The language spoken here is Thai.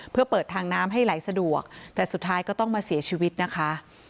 เพื่อเปิดทางน้ำให้ไหลสะดวกแต่สุดท้ายก็ต้องมาเสียชีวิตนะคะ